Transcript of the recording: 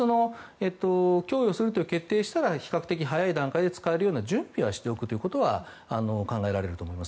供与するという決定をしたら比較的早い段階で使えるような準備はしておくということは考えられると思います。